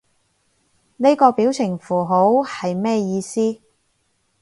呢個表情符號係咩意思？